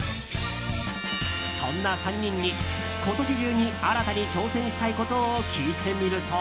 そんな３人に今年中に新たに挑戦したいことを聞いてみると。